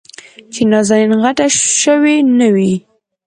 چې نازنين غټه شوې نه وي.